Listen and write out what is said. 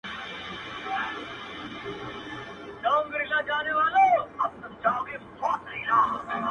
چا ويل ډېره سوخي كوي,